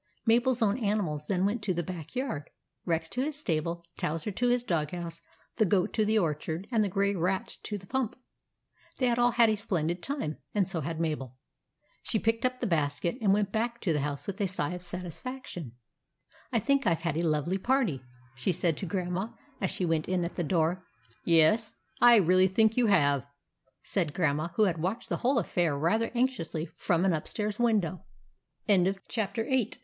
Mabel's own animals then went to the back yard, — Rex to his stable, Towser to his dog house, the Goat to the orchard, and the Grey Rat to the pump. They had all had a splendid time, and so had Mabel. She picked up the basket, and went back to the house with a sigh of satisfaction. " I think I Ve had a lovely party," she said to Grandma, as she went in at the door. "Yes, I really think you have," said Grandma, who had watched the whole affair rather anxiously from an upstairs window. ^> Sen 1 <& ^*^/*i+s IX.